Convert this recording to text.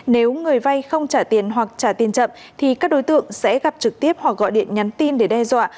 nếu người vay không trả tiền hoặc trả tiền chậm thì các đối tượng sẽ gặp trực tiếp hoặc gọi điện nhắn tin để đe dọa